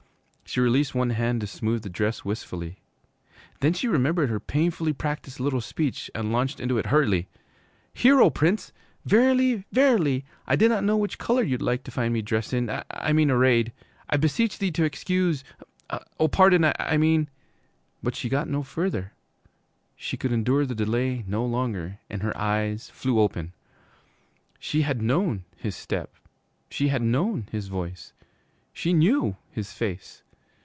She released one hand to smooth the dress wistfully. Then she remembered her painfully practiced little speech and launched into it hurriedly. 'Hear, O Prince. Verily, verily, I did not know which color you 'd like to find me dressed in I mean arrayed. I beseech thee to excuse oh, pardon, I mean ' But she got no further. She could endure the delay no longer, and her eyes flew open. She had known his step; she had known his voice. She knew his face.